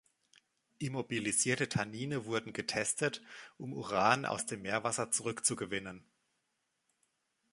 Immobilisierte Tannine wurden getestet, um Uran aus dem Meerwasser zurückzugewinnen.